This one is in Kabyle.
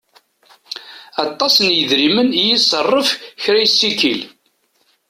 Aṭas n yedrimen i iṣerref kra yessikil.